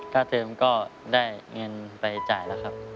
เทอมก็ได้เงินไปจ่ายแล้วครับ